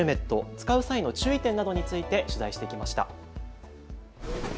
使う際の注意点などについて取材してきました。